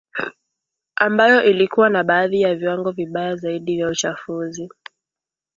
ambayo ilikuwa na baadhi ya viwango vibaya zaidi vya uchafuzi